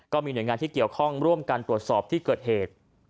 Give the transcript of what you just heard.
หน่วยงานที่เกี่ยวข้องร่วมกันตรวจสอบที่เกิดเหตุ